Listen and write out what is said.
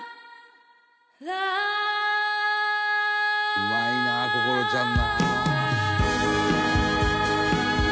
「うまいな心愛ちゃんな」